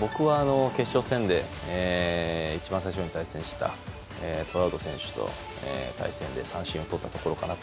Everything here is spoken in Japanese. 僕は決勝戦で一番最初に対戦したトラウト選手との対戦で三振をとったところです。